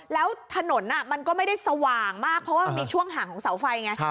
แล้วถนนมันก็ไม่ได้สว่างมากเพราะว่ามีช่วงห่างของเสาไฟไง